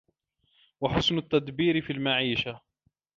وَحُسْنُ التَّدْبِيرِ فِي الْمَعِيشَةِ